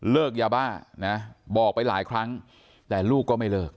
ยาบ้านะบอกไปหลายครั้งแต่ลูกก็ไม่เลิก